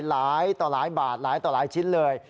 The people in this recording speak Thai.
หลายต่อหลายบาทหลายต่อหลายชิ้นเลย